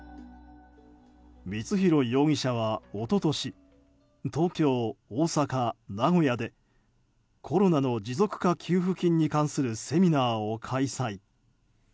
光弘容疑者は一昨年東京、大阪、名古屋でコロナの持続化給付金に関するセミナーを開催。